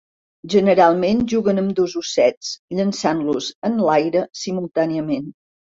Generalment juguen amb dos ossets, llançant-los enlaire simultàniament.